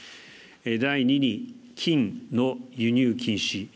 第２に金の輸入禁止。